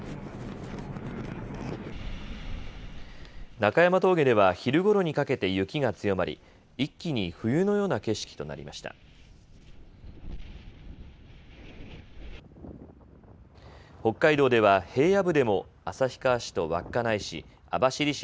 中山峠では昼ごろにかけて雪が強まり一気に冬のような景色となりました。